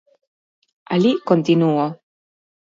Alí continúo.